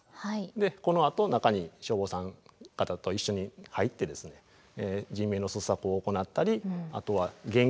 でこのあと中に消防さん方と一緒に入ってですね人命の捜索を行ったりあとは現金や通帳などの貴重品ですね。